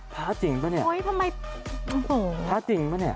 พระจริงป่ะเนี่ย